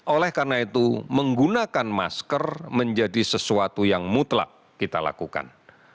oleh karena itu menggunakan masker menjadi sesuatu yang mutlak kita lakukan